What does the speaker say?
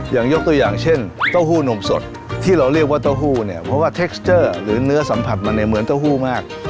ยกตัวอย่างเช่นเต้าหู้นมสดที่เราเรียกว่าเต้าหู้เนี่ยเพราะว่าเทคสเจอร์หรือเนื้อสัมผัสมันเนี่ยเหมือนเต้าหู้มาก